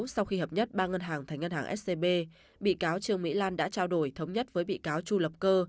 sau khi hợp nhất ba ngân hàng thành ngân hàng scb bị cáo trương mỹ lan đã trao đổi thống nhất với bị cáo chu lập cơ